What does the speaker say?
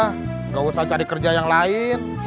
tidak usah cari kerja yang lain